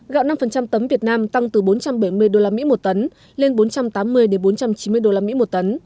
gạo năm tấm việt nam tăng từ bốn trăm bảy mươi usd một tấn lên bốn trăm tám mươi bốn trăm chín mươi usd một tấn